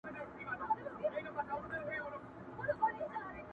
ځيني يې هنر بولي ډېر لوړ,